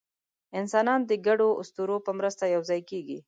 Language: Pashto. انسانان د ګډو اسطورو په مرسته یوځای کېږي.